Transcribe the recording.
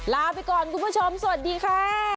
ลาไปก่อนคุณผู้ชมสวัสดีค่ะ